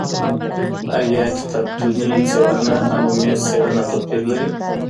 ایا کتابتون څېړنه او میز څېړنه توپیر لري؟